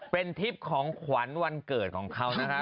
เป็นทริปของขวัญวันเกิดของเขานะคะ